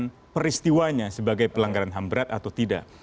tidak bisa digunakan untuk menentukan peristiwanya sebagai pelanggaran ham berat atau tidak